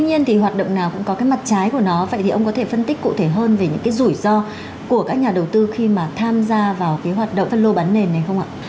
tuy nhiên thì hoạt động nào cũng có cái mặt trái của nó vậy thì ông có thể phân tích cụ thể hơn về những cái rủi ro của các nhà đầu tư khi mà tham gia vào cái hoạt động phân lô bán nền này không ạ